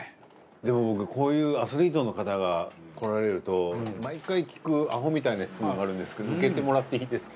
でも僕こういうアスリートの方が来られると毎回聞くアホみたいな質問があるんですけど受けてもらっていいですか？